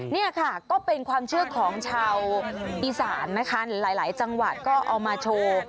นี่ค่ะก็เป็นความเชื่อของชาวอีสานนะคะหลายจังหวัดก็เอามาโชว์